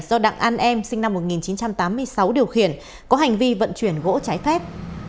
do đặng an em sinh năm một nghìn chín trăm tám mươi sáu điều khiển có hành vi vận chuyển gỗ trái phép